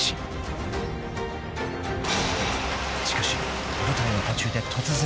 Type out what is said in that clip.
［しかし舞台の途中で突然の雨］